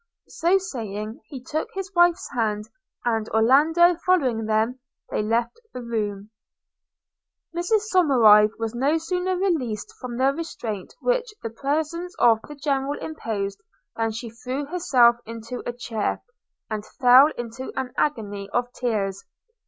– So, saying, he took his wife's hand, and, Orlando following them, they left the room. Mrs Somerive was no sooner released from the restraint which the presence of the General imposed, than she threw herself into a chair, and fell into an agony of tears.